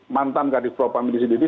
mantan kadifropam disini